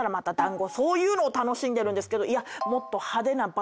そういうのを楽しんでるんですけど。